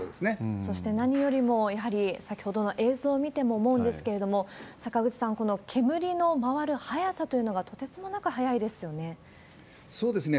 そして、何よりもやはり先ほどの映像を見ても思うんですけれども、坂口さん、この煙の回る速さというのがとてつもなく速いですよね。